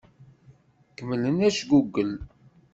Kemmlem ajgugel.